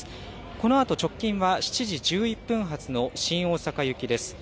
このあと直近は７時１１分発の新大阪行きです。